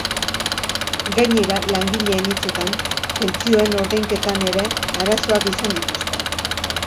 Gainera, langileen hitzetan, pentsioen ordainketan ere arazoak izan dituzte.